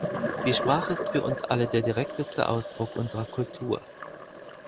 Die Sprache ist für uns alle der direkteste Ausdruck unserer Kultur.